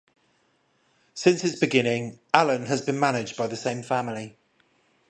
Since its beginning, Allen has been managed by the same family.